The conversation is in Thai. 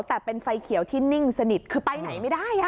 แต่เป็นไฟเขียวที่นิ่งสนิทคือไปไหนไม่ได้